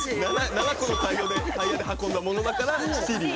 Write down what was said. ７個のタイヤで運んだものだから七輪。